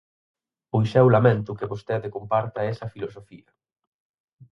Pois eu lamento que vostede comparta esa filosofía.